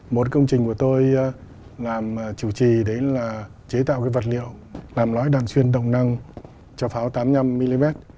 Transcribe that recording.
một công trình của tôi làm chủ trì đấy là chế tạo cái vật liệu làm lõi đàn xuyên đồng năng cho pháo tám mươi năm mm